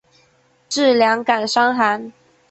治两感伤寒。